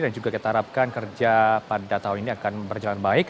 dan juga kita harapkan kerja pada tahun ini akan berjalan baik